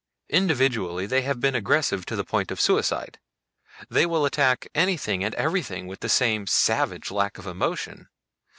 "Individually, they have been aggressive to the point of suicide. They will attack anything and everything with the same savage lack of emotion.